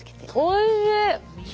おいしい！